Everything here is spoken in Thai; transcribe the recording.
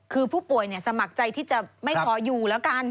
คือผู้ป่วยสมัครใจที่จะไม่ขออยู่แล้วกัน